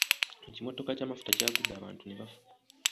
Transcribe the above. Ekimotoka ky'amafuta kyagudde abantu ne bafa.